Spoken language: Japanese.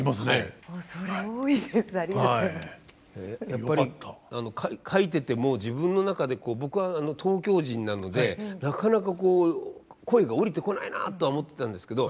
やっぱり書いてても自分の中で僕は東京人なのでなかなか声が降りてこないなとは思ってたんですけど